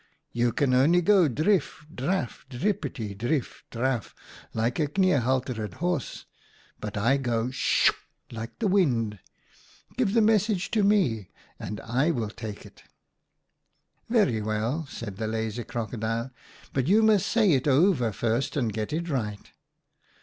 74 OUTA KAREL'S STORIES You can only go drif draf drippity drif draf like a knee haltered horse, but I go sh h h h h like the wind. Give the message to me and I will take it.' "* Very well,' said the lazy Crocodile, ' but you must say it over first and get it right.'